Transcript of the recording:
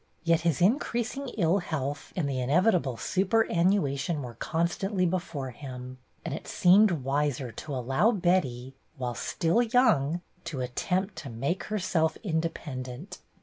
Y et his increasing ill health and the inevitable superannuation were con stantly before him, and it seemed wiser to allow Betty, while still young, to attempt to make herself independent.